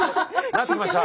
なってきました！